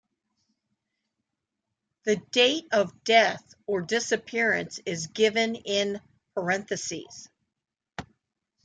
The date of death or disappearance is given in parentheses.